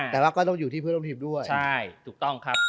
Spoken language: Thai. แต่ว่าก็ต้องอยู่ที่เพื่อนร่วมทีมด้วยใช่ถูกต้องครับ